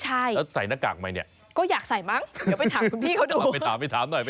อ้าว